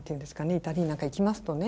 イタリーなんか行きますとね